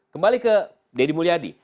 kembali ke deddy mulyadi